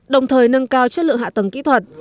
đồng thời nâng cao chất lượng hạ tầng kỹ thuật